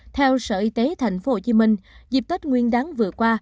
theo sở y tế tp hcm dịp tết nguyên đáng vừa qua